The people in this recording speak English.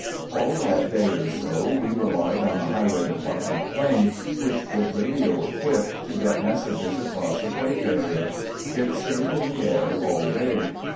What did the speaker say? "All that first day or so, we relied on the Highway Department plane, which was radio equipped, to get messages across the quake area. It stayed in the air all day.